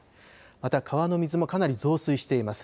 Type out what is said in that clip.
また、川の水もかなり増水しています。